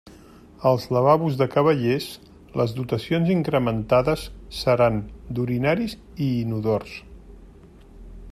Als lavabos de cavallers les dotacions incrementades seran d'urinaris i inodors.